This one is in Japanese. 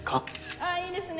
ああいいですね。